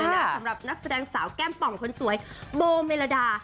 สำหรับนักแสดงสาวแก้มป่องคนสวยโบเมลดา